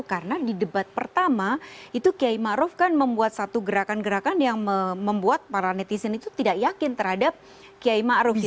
karena di debat pertama itu kiai ma'ruf kan membuat satu gerakan gerakan yang membuat para netizen itu tidak yakin terhadap kiai ma'ruf gitu